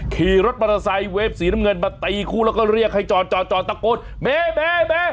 ขี่รถบรรทไซค์เวฟสีน้ำเงินมาไตคู่แล้วก็เรียกให้จอดจอดจอดตะโกนเมเมเม